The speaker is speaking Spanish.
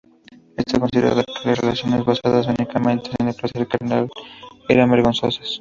Éste consideraba que las relaciones basadas únicamente en el placer carnal eran vergonzosas.